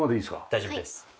大丈夫です。